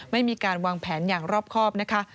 ไม่มีการวางแผนอย่างรอบครอบนะคะ